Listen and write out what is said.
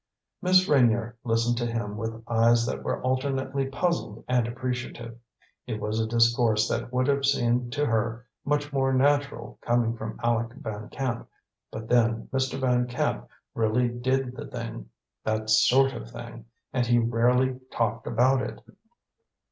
Miss Reynier listened to him with eyes that were alternately puzzled and appreciative. It was a discourse that would have seemed to her much more natural coming from Aleck Van Camp; but then, Mr. Van Camp really did the thing that sort of thing and he rarely talked about it.